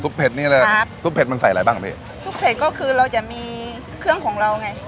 เผ็ดนี่เลยครับซุปเผ็ดมันใส่อะไรบ้างอ่ะพี่ซุปเผ็ดก็คือเราจะมีเครื่องของเราไง